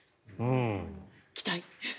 期待。